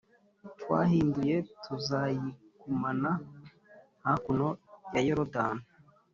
twahind ye tuzayigumana hakuno ya Yorodani